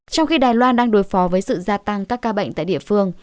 trong khi đài loan đang đối phó với sự gia tăng các ca bệnh tại địa phương